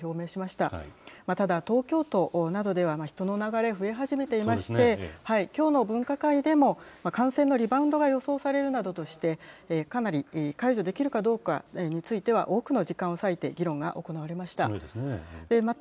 ただ、東京都などでは人の流れ、増え始めていまして、きょうの分科会でも感染のリバウンドが予想されるなどとして、かなり解除できるかどうかについては多くの時間を割いて議論が行われました。